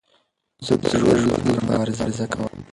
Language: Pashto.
زه د ژوند له پاره مبارزه کوم.